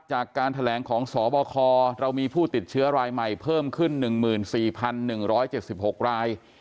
จากการแถลงของสบคเรามีผู้ติดเชื้อรายใหม่เพิ่มขึ้น๑๔๑๗๖ราย